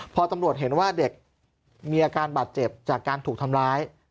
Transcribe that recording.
พอตำรวจเห็นว่าเด็กมีอาการบาดเจ็บจากการถูกทำร้าย